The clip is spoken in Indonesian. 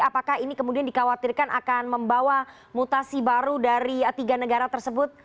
apakah ini kemudian dikhawatirkan akan membawa mutasi baru dari tiga negara tersebut